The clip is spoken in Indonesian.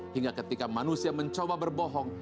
hingga ketika manusia mencoba berbohong